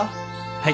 はい。